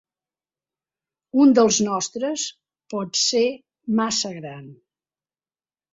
Un dels nostres, pot ser massa gran.